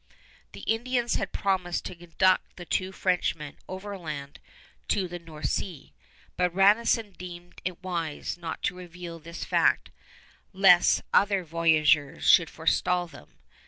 The Indians had promised to conduct the two Frenchmen overland to the North Sea; but Radisson deemed it wise not to reveal this fact lest other voyageurs should forestall them.